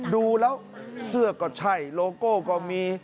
ดูแล้วเสื้อก็ใช่โลโก้ก็มี